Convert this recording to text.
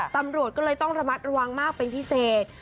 ตำรวจก็เลยต้องระมัดระวังมากเป็นพิเศษ